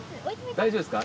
大丈夫ですか？